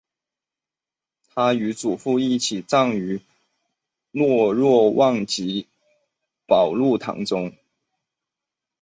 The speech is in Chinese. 他与祖父一起葬于圣若望及保禄堂中。